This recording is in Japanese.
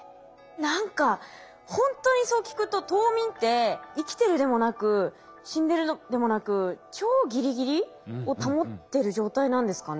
何かほんとにそう聞くと冬眠って生きてるでもなく死んでるのでもなく超ギリギリを保ってる状態なんですかね。